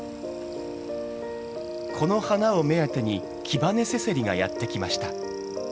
この花を目当てにキバネセセリがやって来ました。